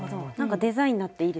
デザインになっていいですね。